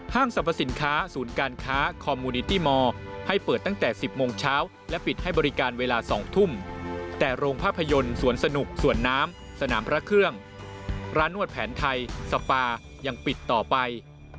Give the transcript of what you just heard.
สรรพสินค้าศูนย์การค้าคอมมูนิตี้มอร์ให้เปิดตั้งแต่๑๐โมงเช้าและปิดให้บริการเวลา๒ทุ่มแต่โรงภาพยนตร์สวนสนุกสวนน้ำสนามพระเครื่องร้านนวดแผนไทยสปายังปิดต่อไป